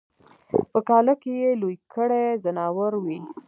په کاله کی یې لوی کړي ځناور وي